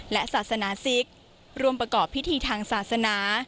และศาสนาศิกรวมประกอบพิธีทางศาสนา